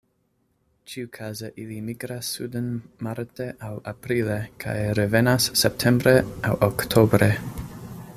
Ĉiukaze ili migras suden marte aŭ aprile kaj revenas septembre aŭ oktobre.